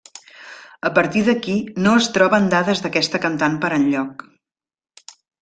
A partir d'aquí no es troben dades d'aquesta cantant per enlloc.